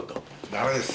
ダメです。